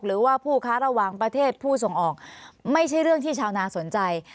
หรือว่าผู้ค้าระหว่างประเทศผู้ส่งออกไม่ใช่เรื่องที่ชาวนาสนใจ